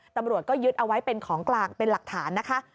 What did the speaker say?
ตำรวจก็ยึดเอาไว้เป็นของกลางเป็นหลักฐานนะคะ